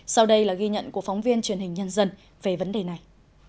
sau đây là ghi nhận của phóng viên truyền hình nhân dân về vấn đề này